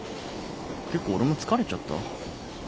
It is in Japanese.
結構俺も疲れちゃった。